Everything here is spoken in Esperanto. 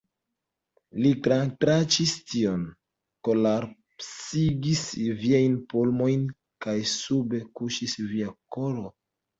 Li tratranĉis tion, kolapsigis viajn pulmojn, kaj sube kuŝis via koro!